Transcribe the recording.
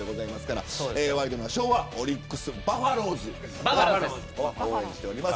ワイドナショーはオリックス・バファローズを応援しています。